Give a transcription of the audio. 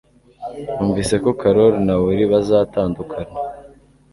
Numvise ko Carol na Will bazatandukana